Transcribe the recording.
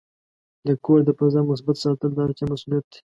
د کور د فضا مثبت ساتل د هر چا مسؤلیت دی.